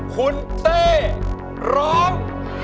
คุณเต้ร้อง